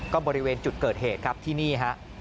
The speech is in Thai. ก็บริเวณจุดเกิดเหตุครับที่นี่ฮะ